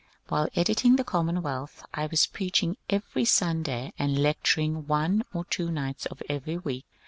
While editing the ^^ Common wealth " I was preaching every Sunday and lecturing one or two nights of every week.